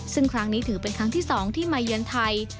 ซึ่งครั้งนี้ถือเป็นครั้งที่๒ที่มาเยือนไทย